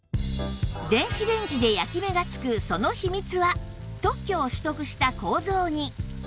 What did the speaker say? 電子レンジで焼き目がつくその秘密は特許を取得した構造に